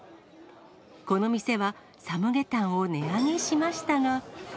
この店はサムゲタンを値上げしましたが。